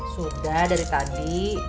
sudah dari tadi